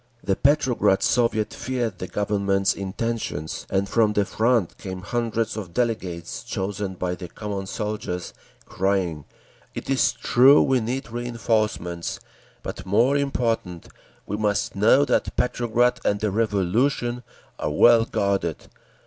The Petrograd Soviet feared the Government's intentions, and from the Front came hundreds of delegates, chosen by the common soldiers, crying, "It is true we need reinforcements, but more important, we must know that Petrograd and the Revolution are well guarded….